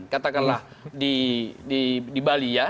katakanlah di bali ya